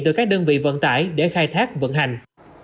từ các đơn vị vận tải để khai thác vận hành